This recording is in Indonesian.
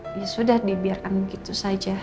ya sudah dibiarkan begitu saja